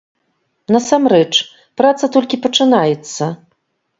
Насамрэч, праца толькі пачынаецца.